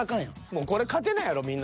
もうこれ勝てないやろみんな。